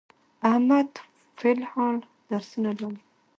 احمد فل الحال درسونه لولي.